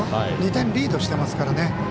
２点リードしていますからね。